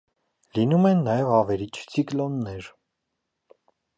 Լինում են նաև ավերիչ ցիկլոններ։